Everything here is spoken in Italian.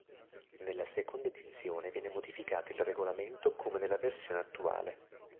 Nella seconda edizione viene modificato il regolamento come nella versione attuale.